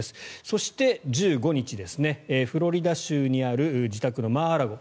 そして、１５日フロリダ州にある自宅のマー・ア・ラゴ